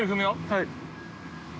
はい。